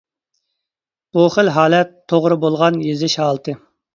بۇ خىل ھالەت توغرا بولغان يېزىش ھالىتى.